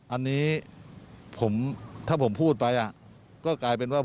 อันนี้ถ้าผมพูดไปก็กลายเป็นว่า